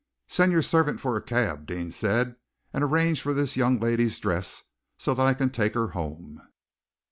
"Send your servant for a cab," Deane said, "and arrange this young lady's dress so that I can take her home."